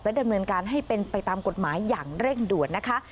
ดำเนินการให้เป็นไปตามกฎหมายอย่างเร่งด่วนนะคะ